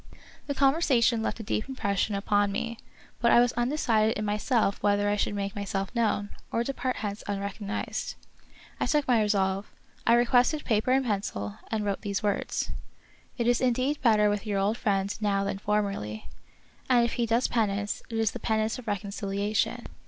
The conversation left a deep impression upon me, but I was undecided in myself whether I should make myself known, or depart hence unrecognized. I took my resolve. I requested paper and pencil, and wrote these words :" It is indeed better with your old friend now than formerly, and if he does penance it is the pen ance of reconciliation."